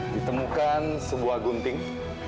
ditemukan sebuah gunting